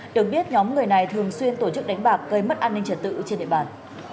được biết nhóm người này thường xuyên tổ chức đánh bạc gây mất an ninh trật tự trên địa bàn